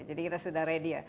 jadi kita sudah ready ya